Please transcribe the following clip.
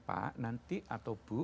pak nanti atau bu